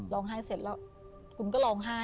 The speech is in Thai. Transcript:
ร้องไห้เสร็จแล้วคุณก็ร้องไห้